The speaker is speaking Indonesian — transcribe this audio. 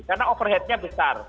karena overheadnya besar